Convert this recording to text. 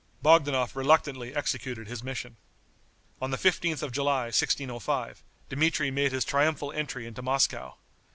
Bogdanoff reluctantly executed his mission. On the 15th of July, 1605, Dmitri made his triumphal entry into Moscow.